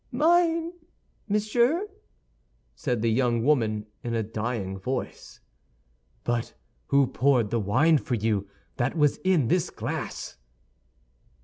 "Mine, monsieur," said the young woman, in a dying voice. "But who poured the wine for you that was in this glass?"